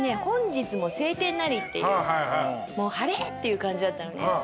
『本日も晴天なり』っていうもう晴れっていう感じだったのね。